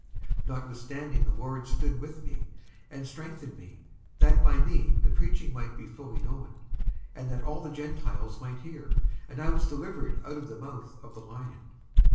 55:004:017 Notwithstanding the Lord stood with me, and strengthened me; that by me the preaching might be fully known, and that all the Gentiles might hear: and I was delivered out of the mouth of the lion.